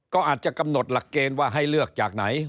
ก็อาจจะกำหนดหลักเกณฑ์ว่าให้เลือกจากไหน